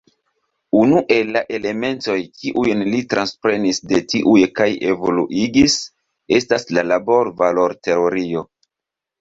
Unu el la elementoj, kiujn li transprenis de tiuj kaj evoluigis, estas la laborvalorteorio.